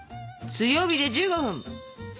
強火で１５分。